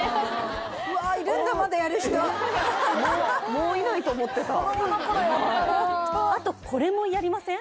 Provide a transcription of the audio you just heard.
もういないと思ってたあとこれもやりません？